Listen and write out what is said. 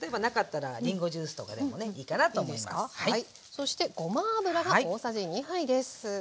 そしてごま油が大さじ２杯です。